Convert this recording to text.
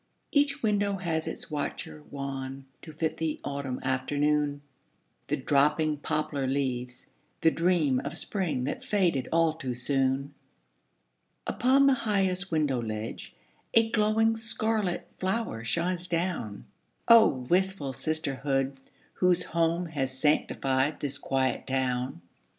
Each window has its watcher wan To fit the autumn afternoon, The dropping poplar leaves, the dream Of spring that faded all too soon. Upon the highest window ledge A glowing scarlet flower shines down. Oh, wistful sisterhood, whose home Has sanctified this quiet town!